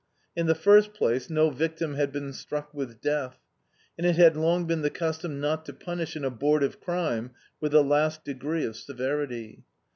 In the first place, no victim had been struck with death, and it had long been the custom not to punish an abortive crime with the last degree of severity.